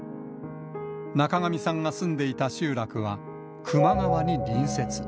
中神さんが住んでいた集落は、球磨川に隣接。